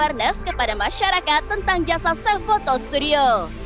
dan juga untuk memberikan kekuatan dan kekuatan ke masyarakat tentang jasa self photo studio